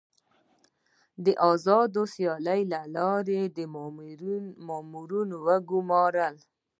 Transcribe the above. د آزادې سیالۍ له لارې د مامورینو ګمارل.